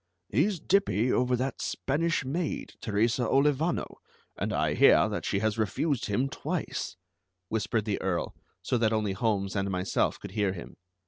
"He's dippy over that Spanish maid, Teresa Olivano, and I hear that she has refused him twice," whispered the Earl so that only Holmes and myself could hear him.